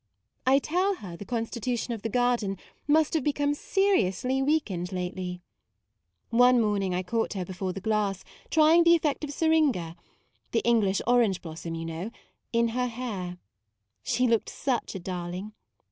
I tell her the constitution of the garden must have become seriously weak 82 MAUDE ened lately. One morning I caught her before the glass, trying the effect of syringa (the English orange blossom, you know) in her hair. She looked such a darling.